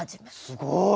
すごい！